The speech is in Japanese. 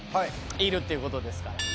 いるってことですから。